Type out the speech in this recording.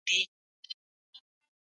د ښوونو موخه یوازې د مسیحیت تبلیغ و.